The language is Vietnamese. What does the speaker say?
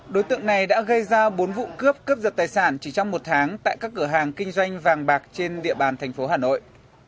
đối tượng này đã gây ra bốn vụ cướp cướp giật tài sản chỉ trong một tháng tại các cửa hàng kinh doanh vàng bạc trên địa bàn thành phố hà nội